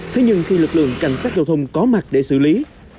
thế nhưng khi lực lượng cảnh sát giao thông có mặt để xử lý